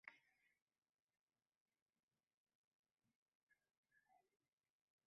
Te bihîstiye.